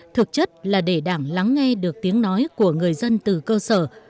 thực chất là để đảng lắng nghe được tiếng nói của người dân từ cơ sở